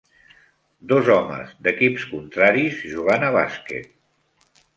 Dos homes d'equips contraris jugant a bàsquet.